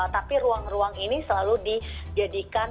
tapi ruang ruang ini selalu dijadikan